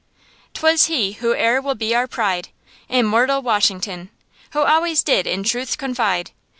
'T was he who e'er will be our pride. Immortal Washington, Who always did in truth confide.